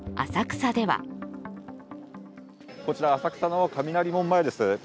浅草ではこちら浅草の雷門前です。